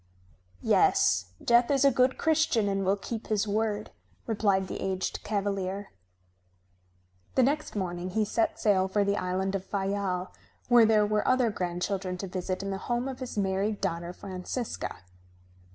"Yes, Death is a good Christian and will keep his word," replied the aged cavalier. The next morning he set sail for the island of Fayal where there were other grandchildren to visit in the home of his married daughter, Francisca.